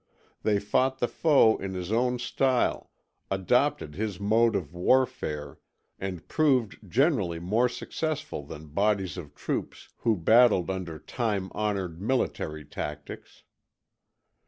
They fought the foe in his own style, adopted his mode of warfare, and proved generally more successful than bodies of troops who battled under time honored military tactics.